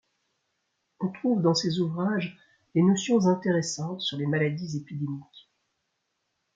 On trouve dans ses ouvrages des notions intéressantes sur les maladies épidémiques.